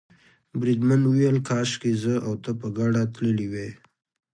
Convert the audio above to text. بریدمن وویل کاشکې زه او ته په ګډه تللي وای.